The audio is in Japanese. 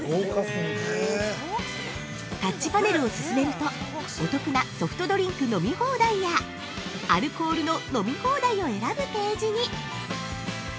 ◆タッチパネルを進めるとお得なソフトドリンク飲み放題やアルコールの飲み放題を選ぶページに。